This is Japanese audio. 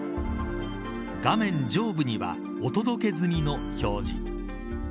上部にはお届け済みの表示。